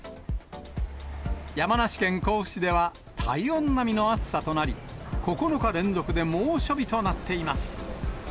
山梨県甲府市では、体温並みの暑さとなり、９日連続で猛暑日となっています。